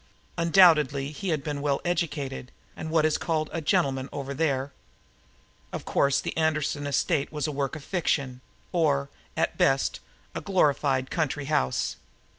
Undoubtedly he had been well educated and what is called a gentleman over there. Of course the Anderson estate was a work of fiction, or, at best, a glorified country house.